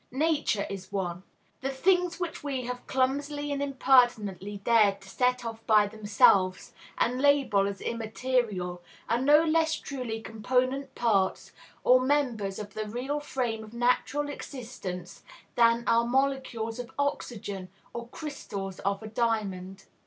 Nature is one. The things which we have clumsily and impertinently dared to set off by themselves, and label as "immaterial," are no less truly component parts or members of the real frame of natural existence than are molecules of oxygen or crystals of diamond.